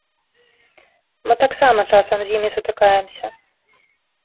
Мы таксама часам з імі сутыкаемся.